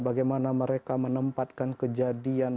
bagaimana mereka menempatkan kejadian